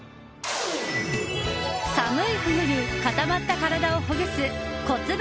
寒い冬に固まった体をほぐす骨盤